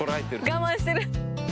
我慢してる！